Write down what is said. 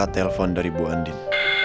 telepon dari bu andin